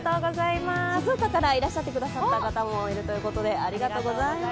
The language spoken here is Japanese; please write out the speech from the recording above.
静岡からいらっしゃってくださった方もいるということで、ありがとうございます。